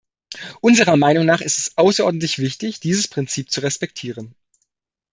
Unserer Meinung nach ist es außerordentlich wichtig, dieses Prinzip zu respektieren.